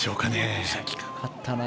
指先かかったな。